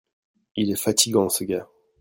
Il est fatigant ce gars.